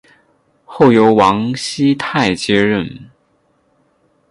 后由王熙泰接任。